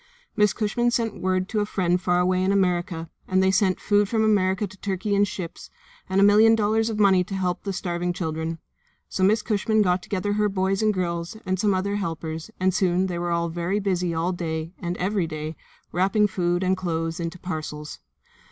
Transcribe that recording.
Miss Cushman sent word to friends far away in America, and they sent food from America to Turkey in ships, and a million dollars of money to help the starving children. So Miss Cushman got together her boys and girls and some other helpers, and soon they were very busy all day and every day wrapping food and clothes into parcels.